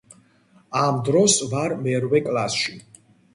ამ დროს ვარ მერვე კლასში